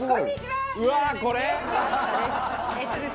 「うわー！これ？」